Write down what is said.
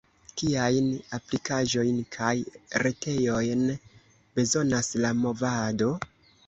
Kiajn aplikaĵojn kaj retejojn bezonas la movado?